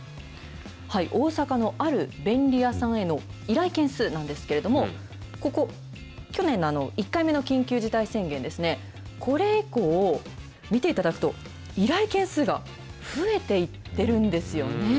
大阪のある便利屋さんへの依頼件数なんですけれども、ここ、去年の１回目の緊急事態宣言ですね、これ以降、見ていただくと、依頼件数が増えていってるんですよね。